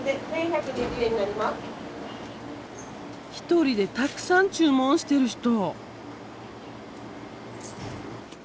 １人でたくさん注文してる人！